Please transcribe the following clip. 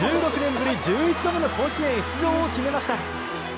ぶり１１度目の甲子園出場を決めました。